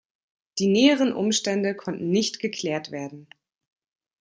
Die näheren Umstände konnten nicht geklärt werden.